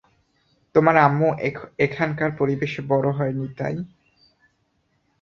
তোমার আম্মু এখানকার পরিবেশে বড় হয়নি তাই।